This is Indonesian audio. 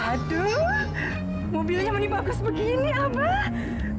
aduh mobilnya ini bagus begini abah